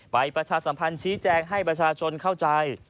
ประชาสัมพันธ์ชี้แจงให้ประชาชนเข้าใจ